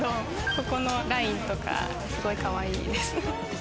ここのラインとか、すごいかわいいです。